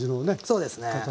そうですね。